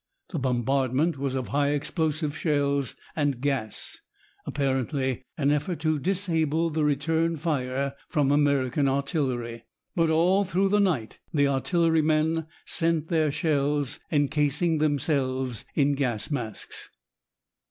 The bombardment was of high explosive shells and gas, apparently an effort to disable the return fire from American artillery. But all through the night the artillerymen sent their shells, encasing themselves in gas masks.